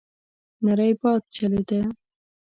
نری باد چلېده.